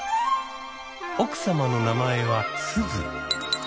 奥様の名前はスズ。